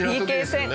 ＰＫ戦。